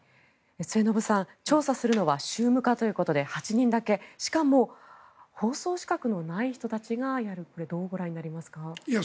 末延さん調査するのは宗務課ということで８人だけしかも法曹資格のない人たちがやるというこれ、どうご覧になりますか？